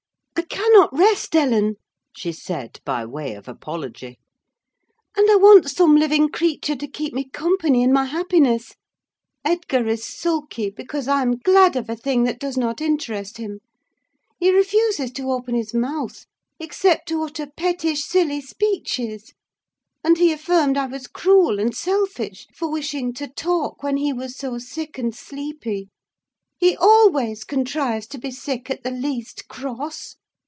"I cannot rest, Ellen," she said, by way of apology. "And I want some living creature to keep me company in my happiness! Edgar is sulky, because I'm glad of a thing that does not interest him: he refuses to open his mouth, except to utter pettish, silly speeches; and he affirmed I was cruel and selfish for wishing to talk when he was so sick and sleepy. He always contrives to be sick at the least cross!